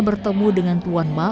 bertemu dengan tuan ma